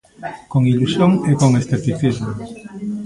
Con ilusión e con escepticismo.